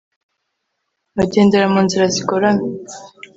Bagendera mu nzira zigoramye